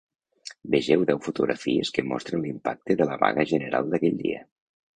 Vegeu deu fotografies que mostren l’impacte de la vaga general d’aquell dia.